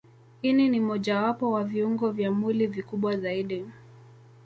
Ini ni mojawapo wa viungo vya mwili vikubwa zaidi.